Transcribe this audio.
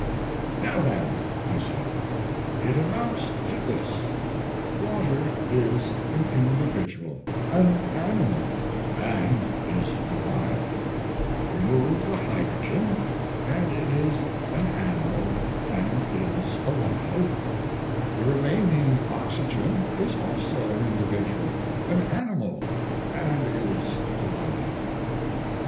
"Now then," I said, "it amounts to this: water is an individual, an animal, and is alive; remove the hydrogen and it is an animal and is alive; the remaining oxygen is also an individual, an animal, and is alive.